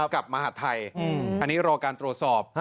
กับมหาดไทยอันนี้รอการตรวจสอบ